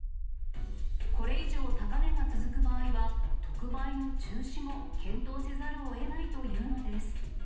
これ以上高値が続く場合は、特売の中止も検討せざるをえないというのです。